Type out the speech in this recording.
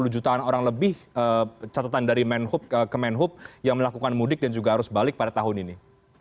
delapan puluh jutaan orang lebih catatan dari manhood ke manhood yang melakukan mudik dan juga arus balik pada tahun ini